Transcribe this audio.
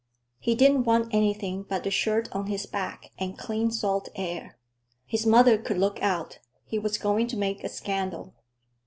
He didn't want anything but the shirt on his back and clean salt air. His mother could look out; he was going to make a scandal.